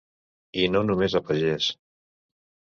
I no només a pagès.